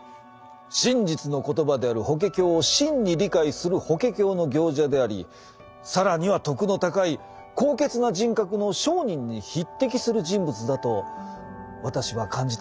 真実の言葉である「法華経」を真に理解する「法華経」の行者であり更には徳の高い高潔な人格の聖人に匹敵する人物だと私は感じたのです。